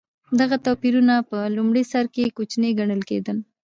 دغه توپیرونه په لومړي سر کې کوچني ګڼل کېدل.